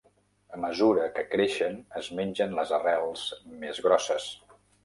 A mesura que creixen es mengen les arrels més grosses.